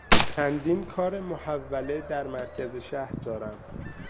چندین کار محوله در مرکز شهر دارم.